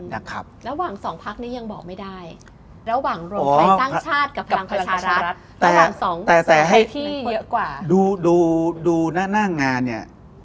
ภักดิ์ระหว่าง๒ภักดิ์อันนี้ยังบอกไม่ได้